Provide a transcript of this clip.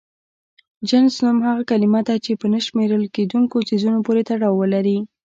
جنس نوم هغه کلمه ده چې په نه شمېرل کيدونکو څيزونو پورې تړاو ولري.